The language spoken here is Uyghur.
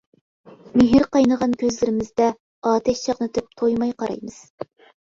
مېھىر قاينىغان كۆزلىرىمىزدە، ئاتەش چاقنىتىپ تويماي قارايمىز.